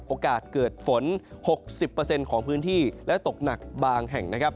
โอกาสเกิดฝน๖๐ของพื้นที่และตกหนักบางแห่งนะครับ